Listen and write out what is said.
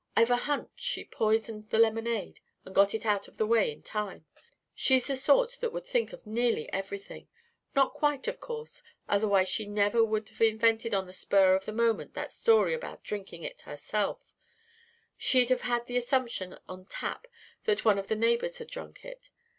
I've a hunch she poisoned that lemonade and got it out of the way in time. She's the sort that would think of nearly everything. Not quite, of course. Otherwise she would never have invented on the spur of the moment that story about drinking it herself; she'd have had the assumption on tap that one of the neighbours had drunk it.